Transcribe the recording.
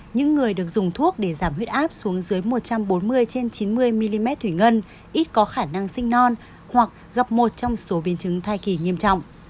những người được dùng thuốc để giảm huyết áp xuống dưới một trăm bốn mươi trên chín mươi mm thủy ngân ít có khả năng sinh non hoặc gặp một trong số biến chứng thai kỳ nghiêm trọng